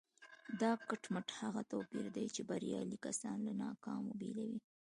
دا کټ مټ هماغه توپير دی چې بريالي کسان له ناکامو بېلوي.